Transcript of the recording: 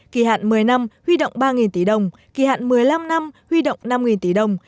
kỳ hạn một mươi năm huy động ba tỷ đồng kỳ hạn một mươi năm năm huy động năm tỷ đồng